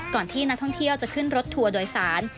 ที่นักท่องเที่ยวจะขึ้นรถทัวร์โดยสาร